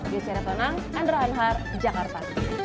yusyara tonang andra hanhar jakarta